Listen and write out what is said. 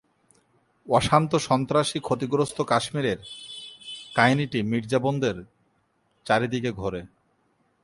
অশান্ত সন্ত্রাসী ক্ষতিগ্রস্ত কাশ্মীরের কাহিনীটি মির্জা বোনদের চারদিকে ঘোরে।